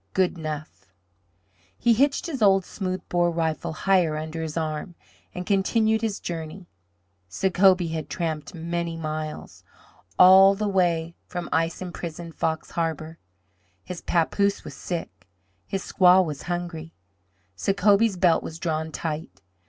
Good 'nough!" He hitched his old smooth bore rifle higher under his arm and continued his journey. Sacobie had tramped many miles all the way from ice imprisoned Fox Harbor. His papoose was sick. His squaw was hungry. Sacobie's belt was drawn tight.